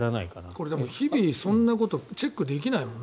これ、日々そんなことチェックできないもんね。